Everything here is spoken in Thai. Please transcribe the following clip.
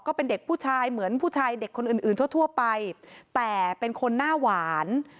ก็เป็นเด็กผู้ชายเหมือนผู้ชายเด็กคนอื่นอื่นทั่วไปแต่เป็นคนหน้าหวาน